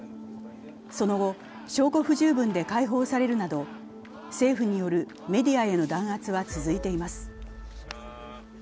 その後、証拠不十分で解放されるなど政府によるメディアへの弾圧は続いています。